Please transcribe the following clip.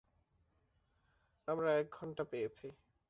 আমরা এক ঘন্টা পেয়েছি।